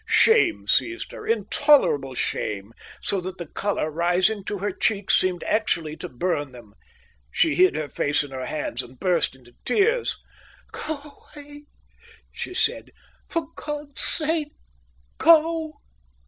Shame seized her, intolerable shame, so that the colour, rising to her cheeks, seemed actually to burn them. She hid her face in her hands and burst into tears. "Go away," she said. "For God's sake, go."